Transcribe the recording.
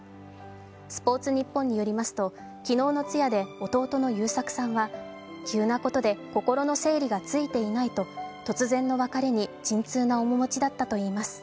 「スポーツニッポン」によりますと昨日の通夜で弟の祐作さんは急なことで心の整理がついていないと突然の別れに沈痛な面持ちだったといいます。